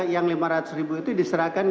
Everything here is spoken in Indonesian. yang lima ratus ribu itu diserahkan